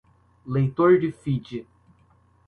leitor de feed